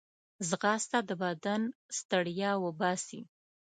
ځغاسته د بدن ستړیا وباسي